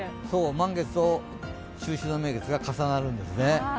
満月と中秋の名月が重なるんですね。